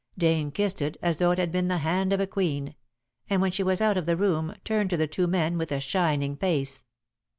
Dane kissed it as though it had been the hand of a queen, and when she was out of the room, turned to the two men with a shining face.